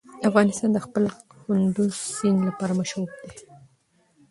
افغانستان د خپل کندز سیند لپاره مشهور دی.